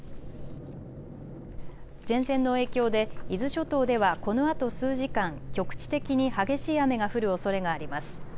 前線の影響で伊豆諸島ではこのあと数時間、局地的に激しい雨が降るおそれがあります。